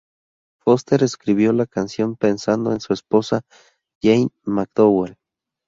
Foster escribió la canción pensando en su esposa Jane McDowell.